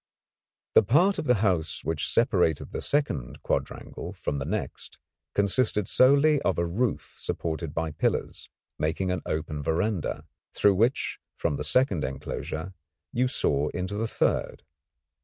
The part of the house which separated the second quadrangle from the next consisted solely of a roof supported by pillars, making an open verandah, through which from the second enclosure you saw into the third.